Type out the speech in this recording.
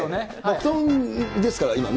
布団ですから、今ね。